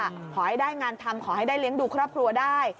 ขอให้ได้งานทำขอให้ได้เลี้ยงดูครอบครัวได้